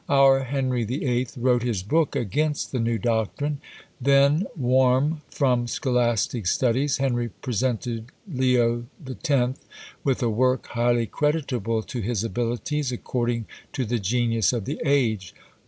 Our Henry VIII. wrote his book against the new doctrine: then warm from scholastic studies, Henry presented Leo X. with a work highly creditable to his abilities, according to the genius of the age.